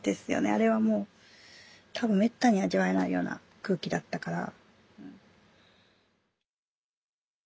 あれはもう多分めったに味わえないような空気だったから。